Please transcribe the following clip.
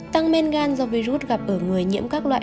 tăng men gan do virus gặp ở người nhiễm các loại